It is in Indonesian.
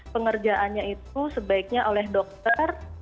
pengerjaannya itu sebaiknya oleh dokter